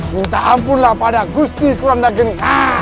minta ampunlah pada gusti kurandageni